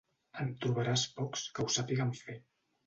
En trobaràs pocs que ho sàpiguen fer.